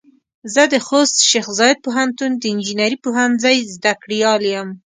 زه د خوست شیخ زايد پوهنتون د انجنیري پوهنځۍ زده کړيال يم.